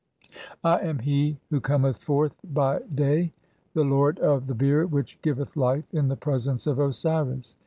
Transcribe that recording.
1 am he who cometh forth by day ; the lord of "the bier which giveth life in the presence of Osiris.